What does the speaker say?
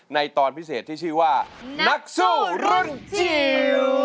ตอนพิเศษที่ชื่อว่านักสู้รุ่นจิ๋ว